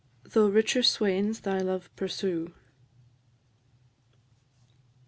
THOUGH RICHER SWAINS THY LOVE PURSUE.